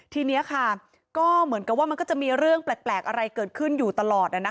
ทีนี้ค่ะก็เหมือนกับว่ามันก็จะมีเรื่องแปลกอะไรเกิดขึ้นอยู่ตลอด